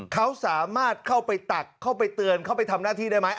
เขาสามารถเข้าไปตักเข้าไปเตือนเข้าไปทำหน้าที่ได้ไหม